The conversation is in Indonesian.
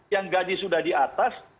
yang gaji sudah di atas